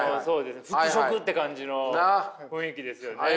服飾って感じの雰囲気ですよね。